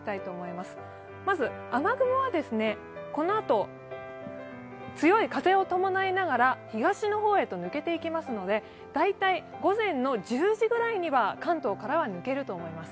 まず雨雲は、このあと、強い風を伴いながら東の方へと抜けていきますので、大体、午前１０時ぐらいには関東からは抜けると思います。